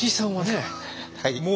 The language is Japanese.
はい。